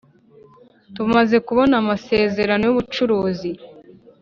Tumaze kubona Amasezerano y Ubucuruzi